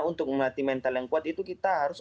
untuk memati mental yang kuat itu kita harus